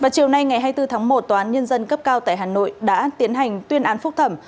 chiều nay ngày hai mươi bốn tháng một tòa án nhân dân cấp cao tại hà nội đã tiến hành tuyên án phúc thẩm